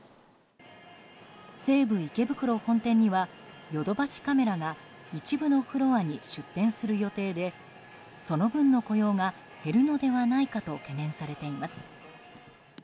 西武池袋本店にはヨドバシカメラが一部のフロアに出店する予定でその分の雇用が減るのではないかと懸念されています。